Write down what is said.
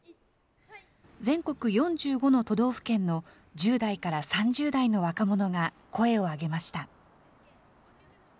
全国４５の都道府県の１０代から３０代の若者が、声を上げました。